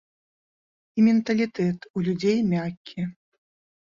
І менталітэт у людзей мяккі.